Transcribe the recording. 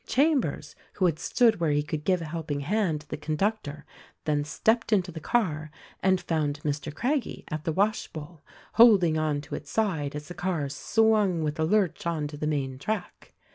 Chambers— who had stood where he could give a helpino hand to the conductor— then stepped into the car and found Mr. Craggie at the wash bowl holding on to its side as the car swung with a lurch on to the main track.